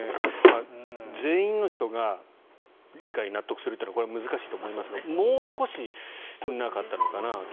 全員の人が理解、納得するというのはこれは難しいと思いますがもう少しなかったのかなと。